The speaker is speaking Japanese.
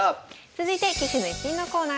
続いて「棋士の逸品」のコーナーです。